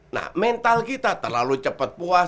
nah mental kita terlalu cepat puas